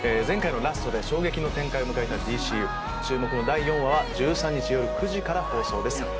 前回のラストで衝撃の展開を迎えた「ＤＣＵ」注目の第４話は１３日よる９時から放送です